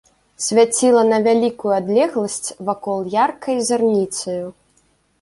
Свяціла на вялікую адлегласць вакол яркай зарніцаю.